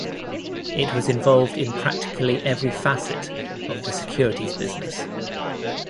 It was involved in practically every facet of the securities business.